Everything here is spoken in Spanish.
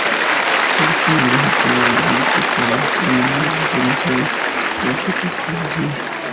El esquema lógico de Darby implicaba de manera diferenciada dos tipos de salvación.